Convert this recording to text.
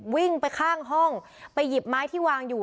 วิ่งไปข้างห้องไปหยิบไม้ที่วางอยู่